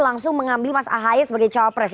langsung mengambil mas ahy sebagai cawapres